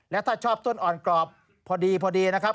และถ้าชอบต้นอ่อนกรอบพอดีพอดีนะครับ